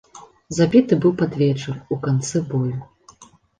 Забіты быў пад вечар, у канцы бою.